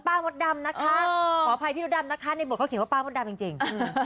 มดดำนะคะขออภัยพี่มดดำนะคะในบทเขาเขียนว่าป้ามดดำจริง